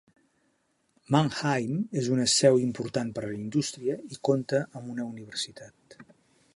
Mannheim és una seu important per a la indústria i compta amb una universitat.